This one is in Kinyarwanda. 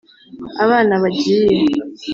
abana bagiye